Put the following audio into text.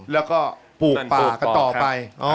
แล้วก็ปลูกป่ากันต่อไป